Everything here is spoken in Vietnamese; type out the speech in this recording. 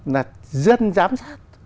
là dân giám sát